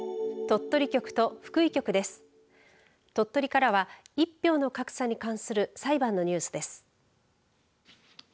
鳥取からは１票の格差に関する裁判のニュースです。